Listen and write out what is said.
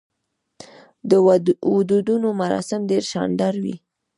د ودونو مراسم ډیر شاندار وي.